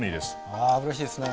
ああうれしいですね！